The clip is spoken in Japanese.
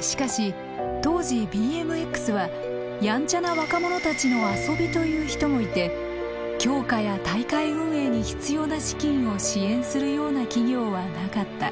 しかし当時ＢＭＸはヤンチャな若者たちの遊びという人もいて強化や大会運営に必要な資金を支援するような企業はなかった。